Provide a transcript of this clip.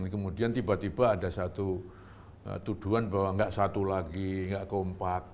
kemudian tiba tiba ada satu tuduhan bahwa nggak satu lagi nggak kompak